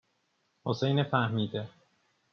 حسین فهمیده